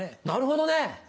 なるほどね。